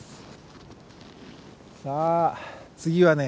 さあ次はね